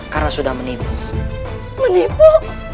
karena sudah menipu menipu